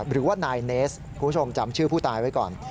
หรือว่านายเนสคุณผู้ชมจำชื่อผู้ตายไว้ก่อน